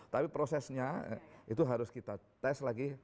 tapi prosesnya itu harus kita tes lagi